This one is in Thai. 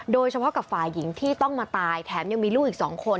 โดยเฉพาะกับฝ่ายหญิงที่ต้องมาตายแถมยังมีลูกอีก๒คน